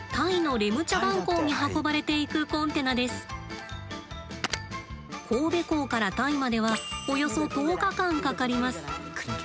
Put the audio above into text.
これは神戸港からタイまではおよそ１０日間かかります。